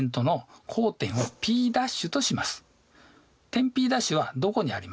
Ｐ′はどこにありますか？